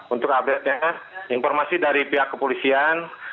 untuk update nya informasi dari pihak kepolisian